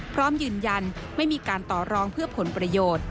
พร้อมยืนยันไม่มีการต่อรองเพื่อผลประโยชน์